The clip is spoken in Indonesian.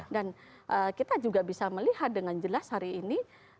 dan kita juga bisa melihat dengan jelas hari ini